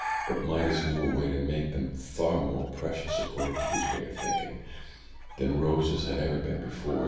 But Midas knew a way to make them far more precious, according to his way of think ing, than roses had ever been before.